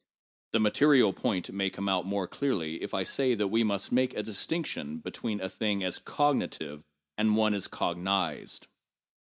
The material point may come out more clearly if I say that we must make a distinction between a thing as cognitive, and one as cognized.